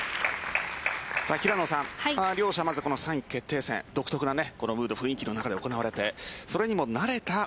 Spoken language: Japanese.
両者まず３位決定戦独特なムード雰囲気の中で行われていてそれにも慣れた